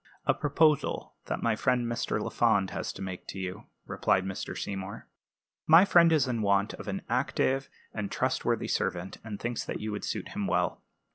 "A proposal that my friend Mr. Lafond has to make to you," replied Mr. Seymour. "My friend is in want of an active and trustworthy servant, and thinks that you would suit him well.